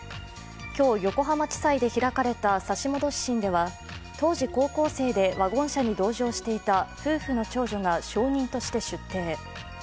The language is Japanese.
今日、横浜地裁で開かれた差し戻し審では当時高校生でワゴン車に同乗していた夫婦の長女が証人として出廷。